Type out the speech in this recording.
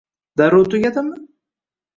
Darrov tugadimi